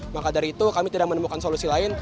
maka dari itu kami tidak menemukan solusi lain